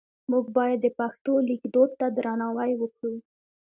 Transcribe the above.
موږ باید د پښتو لیک دود ته درناوی وکړو.